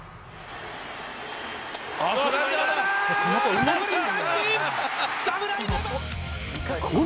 空振り三振！